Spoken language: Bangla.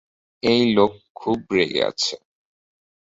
এই লোক খুব রেগে আছে।